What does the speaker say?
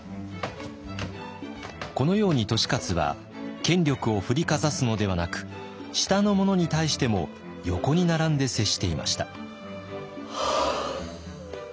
このように利勝は権力を振りかざすのではなく下の者に対しても横に並んで接していました。